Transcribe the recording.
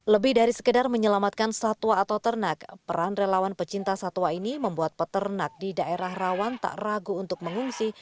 lebih dari sekedar menyelamatkan satwa atau ternak peran relawan pecinta satwa ini membuat peternak di daerah rawan tak ragu untuk mengungsi